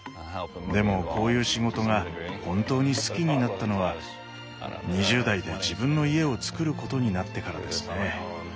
でもこういう仕事が本当に好きになったのは２０代で自分の家をつくることになってからですね。